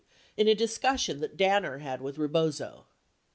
in a discussion that Danner had with Rebozo.